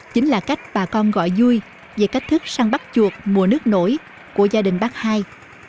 chính là cách bà con gọi vui về cách thức săn bắt chuột mùa nước nổi của gia đình bác ii